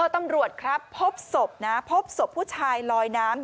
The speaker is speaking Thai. ตำรวจครับพบศพนะพบศพผู้ชายลอยน้ำ